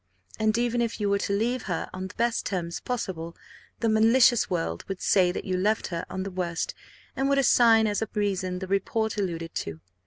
And, even if you were to leave her on the best terms possible, the malicious world would say that you left her on the worst, and would assign as a reason the report alluded to.